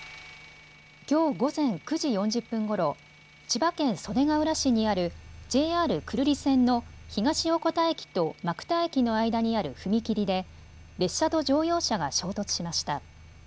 きょう午前９時４０分ごろ、千葉県袖ケ浦市にあるＪＲ久留里線の東横田駅と馬来田駅の間にある踏切で列車と乗用車が衝突しました。